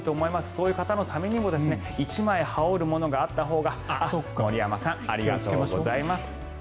そういう方のためにも１枚羽織るものがあったほうがあっ、森山さんありがとうございます。